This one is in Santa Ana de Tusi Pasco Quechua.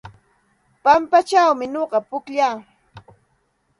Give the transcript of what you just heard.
Pampachawmi nuqa pukllaa.